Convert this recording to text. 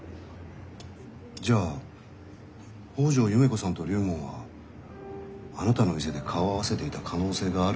じゃあ北條夢子さんと龍門はあなたの店で顔を合わせていた可能性があるってことですね？